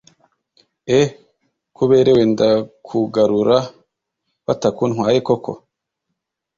eehhh kuberewe ndakugarura batakuntwaye koko?"